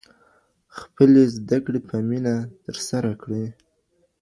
خپلې زده کړې په مینه ترسره کړئ.